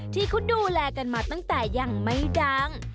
ที่เขาดูแลกันมาตั้งแต่ยังไม่ดัง